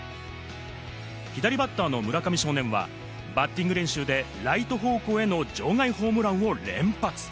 左バッターの村上少年はバッティング練習でライト方向への場外ホームランを連発。